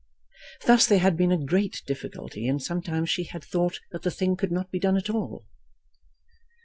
Thus there had been a great difficulty, and sometimes she had thought that the thing could not be done at all.